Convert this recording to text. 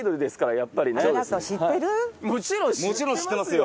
もちろん知ってますよ。